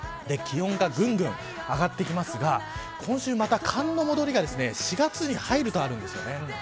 気温がぐんぐん上がってきますが今週、また寒の戻りが４月に入るとあるんです。